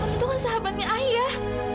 itu kan sahabatnya ayah